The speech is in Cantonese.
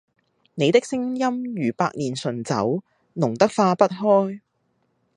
你的聲音如百年純酒，濃得化不開。